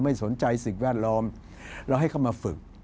ไม่สนใจสิ่งแวดล้อมเราให้เขามาฝึก